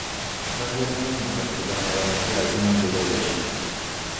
من دلم نمیخواد که با ناراحتی از هم جدا بشیم.